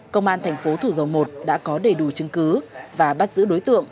công an thành phố thủ dầu một đã có đầy đủ chứng cứ và bắt giữ đối tượng